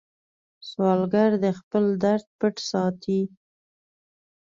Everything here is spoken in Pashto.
سوالګر د خپل درد پټ ساتي